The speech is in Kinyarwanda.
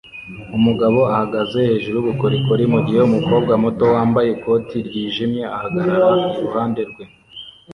Umugabo ahagaze hejuru yubukorikori mugihe umukobwa muto wambaye ikoti ryijimye ahagarara iruhande rwe